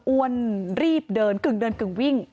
อ้วนรีบเดินกึ่งเดินกึ่งวิ่ง